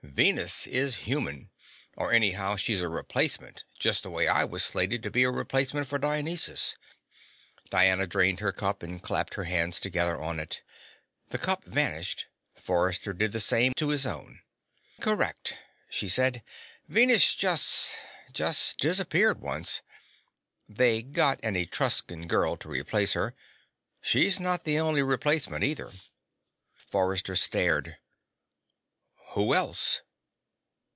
"Venus is human. Or, anyhow, she's a replacement, just the way I was slated to be a replacement for Dionysus." Diana drained her cup and clapped her hands together on it. The cup vanished. Forrester did the same to his own. "Correct," she said. "Venus just just disappeared once. They got an Etruscan girl to replace her. She's not the only replacement, either." Forrester stared. "Who else?"